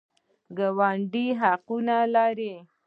ګاونډي حقونه لري